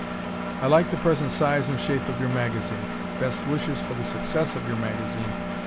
I like the present size and shape of your magazine. Best wishes for the success of your magazine.